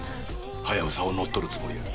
ハヤブサを乗っ取るつもりや。